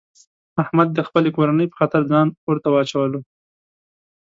احمد د خپلې کورنۍ په خاطر ځان اورته واچولو.